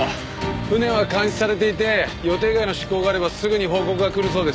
船は監視されていて予定外の出港があればすぐに報告が来るそうです。